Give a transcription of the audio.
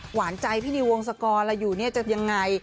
หวานใจพี่นิววงศกรอะไรอยู่เนี่ยจะยังไง